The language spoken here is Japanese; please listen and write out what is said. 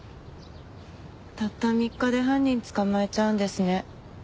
たった３日で犯人捕まえちゃうんですね。